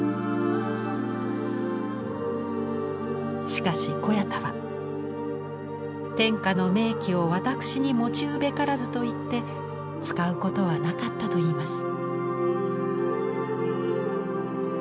しかし小彌太は「天下の名器を私に用うべからず」と言って使うことはなかったといいます。